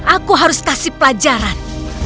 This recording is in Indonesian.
aku harus kasih pelajaran